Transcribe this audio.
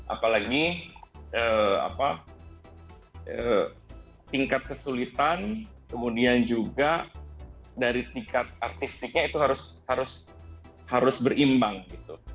apalagi tingkat kesulitan kemudian juga dari tingkat artistiknya itu harus berimbang gitu